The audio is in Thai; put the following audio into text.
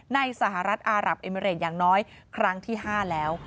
สหรัฐอารับเอมิเรดอย่างน้อยครั้งที่๕แล้ว